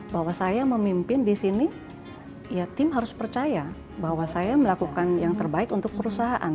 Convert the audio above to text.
bahwa saya memimpin di sini ya tim harus percaya bahwa saya melakukan yang terbaik untuk perusahaan